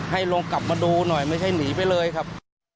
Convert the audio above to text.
ให้ลงกลับมาดูหน่อยไม่ใช่หนีไปเลยครับ